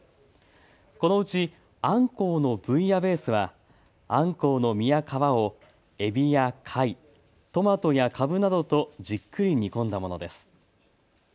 このうちあんこうのブイヤベースはあんこうの身や皮をえびや貝、トマトやかぶなどとじっくり煮込んだものです。